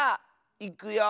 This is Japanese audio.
いくよ。